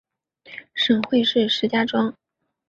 省会是石家庄市。